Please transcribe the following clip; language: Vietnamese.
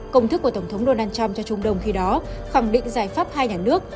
công thức của tổng thống donald trump cho trung đông khi đó khẳng định giải pháp hai nhà nước